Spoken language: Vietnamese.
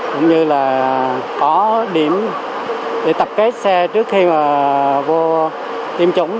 cũng như là có điểm để tập kết xe trước khi mà vô tiêm chủng